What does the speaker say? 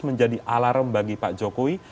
menjadi alarm bagi pak jokowi